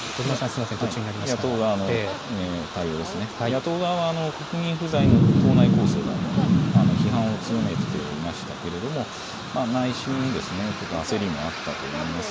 野党側の対応ですね、野党側は国民不在の党内抗争だと、批判を強めていましたけれども、内心、ちょっと焦りもあったといえます。